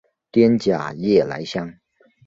滇假夜来香